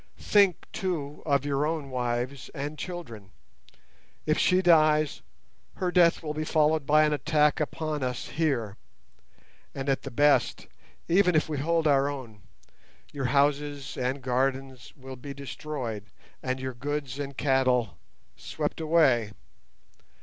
Think, too, of your own wives and children. If she dies, her death will be followed by an attack upon us here, and at the best, even if we hold our own, your houses and gardens will be destroyed, and your goods and cattle swept away.